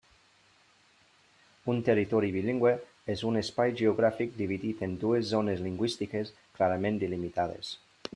Un territori bilingüe és un espai geogràfic dividit en dues zones lingüístiques clarament delimitades.